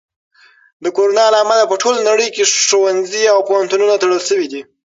د کرونا له امله په ټوله نړۍ کې ښوونځي او پوهنتونونه تړل شوي دي.